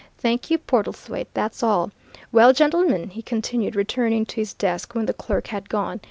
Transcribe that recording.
"Thank you, Portlethwaite: that's all. Well, gentlemen," he continued, returning to his desk when the clerk had gone.